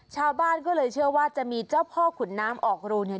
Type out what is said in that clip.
ชาวบ้านก็เลยเชื่อว่าจะมีเจ้าพ่อขุนน้ำออกรูเนี่ย